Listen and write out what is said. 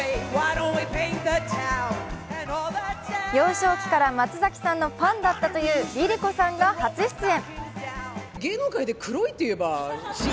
幼少期から松崎さんのファンだったというＬｉＬｉＣｏさんが初出演。